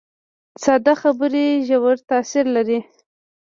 ساده خبرې ژور تاثیر لري